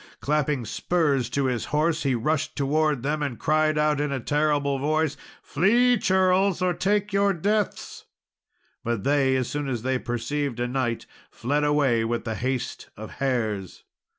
Clapping spurs to his horse, he rushed towards them, and cried out in a terrible voice, "Flee, churls, or take your deaths;" but they, as soon as they perceived a knight, fled away with the haste of hares.